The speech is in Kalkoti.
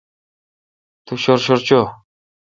تو شر شر چوں۔